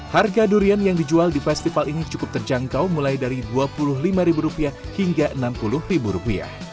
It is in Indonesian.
harga durian yang dijual di festival ini cukup terjangkau mulai dari rp dua puluh lima hingga rp enam puluh